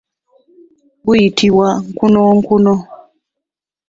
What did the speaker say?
Guyitibwa nkuunokuuno.